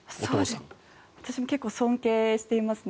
私も結構尊敬していますね。